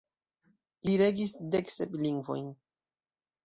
Li regis deksep lingvojn.